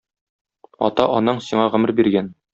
Ата-анаң сиңа гомер биргән.